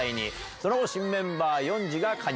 その後、新メンバー、ヨンジが加入。